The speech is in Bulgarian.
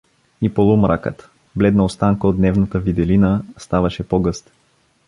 И полумракът, бледна останка от дневната виделина, ставаше по-гъст.